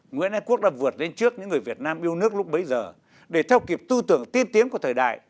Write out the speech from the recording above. nguyễn ái quốc đã vượt lên trước những người việt nam yêu nước lúc bấy giờ để theo kịp tư tưởng tiên tiến của thời đại